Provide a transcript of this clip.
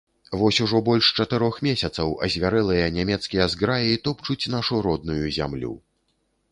Вось ужо больш чатырох месяцаў азвярэлыя нямецкія зграі топчуць нашу родную зямлю.